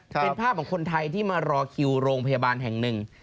เป็นภาพของคนไทยที่มารอคิวโรงพยาบาลแห่งหนึ่ง